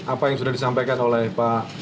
apa yang sudah disampaikan oleh pak